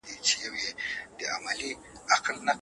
جهالت تياره او مرګ دی.